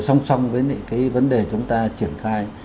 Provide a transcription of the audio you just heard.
xong xong với những cái vấn đề chúng ta triển khai